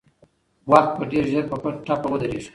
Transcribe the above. وخت به ډېر ژر په ټپه ودرېږي.